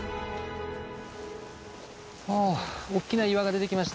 あおっきな岩が出てきました。